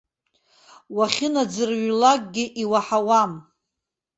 Уахьынаӡырҩлакгьы иуаҳауам.